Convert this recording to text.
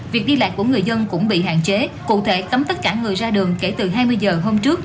việc đi lại của người dân cũng bị hạn chế cụ thể cấm tất cả người ra đường kể từ hai mươi giờ hôm trước